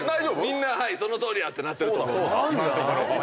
みんな「そのとおりや」ってなってると思う。